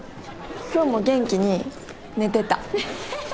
今日も元気に寝てた。